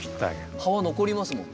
葉は残りますもんね。